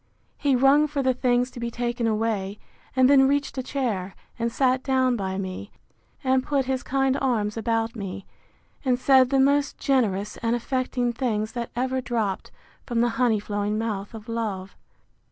He rung for the things to be taken away; and then reached a chair, and sat down by me, and put his kind arms about me, and said the most generous and affecting things that ever dropt from the honey flowing mouth of love.